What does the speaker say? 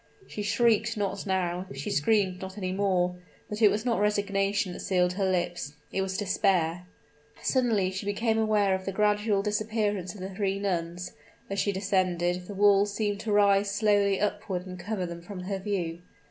She shrieked not now she screamed not any more; but it was not resignation that sealed her lips; it was despair! Suddenly she became aware of the gradual disappearance of the three nuns; as she descended, the wall seemed to rise slowly upward and cover them from her view.